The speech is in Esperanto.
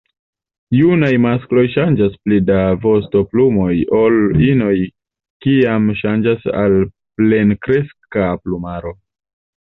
Junaj maskloj ŝanĝas pli da vostoplumoj ol inoj kiam ŝanĝas al plenkreska plumaro.